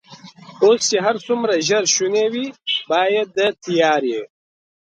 اوس چې هر څومره ژر شونې وي، باید د تیارې.